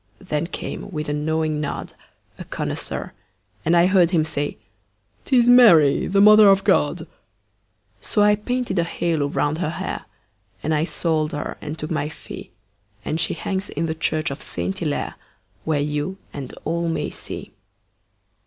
Then came, with a knowing nod, A connoisseur, and I heard him say; "'Tis Mary, the Mother of God." So I painted a halo round her hair, And I sold her and took my fee, And she hangs in the church of Saint Hillaire, Where you and all may see.